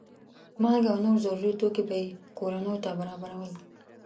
مالګه او نور ضروري توکي به یې کورنیو ته برابرول.